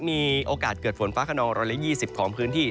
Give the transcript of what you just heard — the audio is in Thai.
มีโอกาสเกิดฝนฟ้าขนอง๑๒๐ของพื้นที่